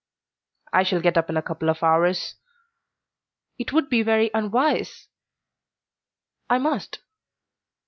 "I shall get up in a couple of hours." "It would be very unwise." "I must."